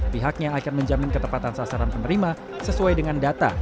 pihaknya akan menjamin ketepatan sasaran penerima sesuai dengan data